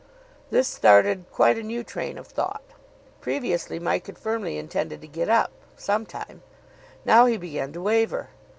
This started quite a new train of thought. Previously Mike had firmly intended to get up some time. Now he began to waver.